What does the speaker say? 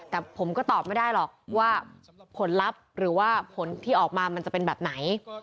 แต่ผมก็ตอบไม่ได้หรอกว่าผลลัพธ์หรือว่าผลที่ออกมามันจะเป็นแบบไหน